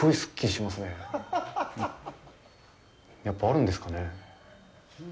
やっぱあるんですかね。